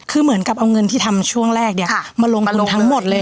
คือเหมือนกับเอาเงินที่ทำช่วงแรกเนี่ยมาลงทุนทั้งหมดเลย